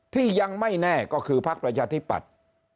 ที่ยังไม่แน่ก็คือพักประชาธิปัตย์